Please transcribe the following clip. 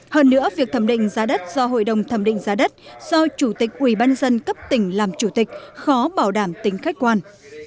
hơn nữa việc thẩm định giá đất do hội đồng thẩm định giá đất do chủ tịch ubnd cấp tỉnh làm chủ tịch khó bảo đảm tính khách quan